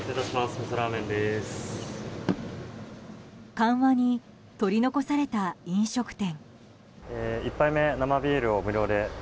緩和に取り残された飲食店。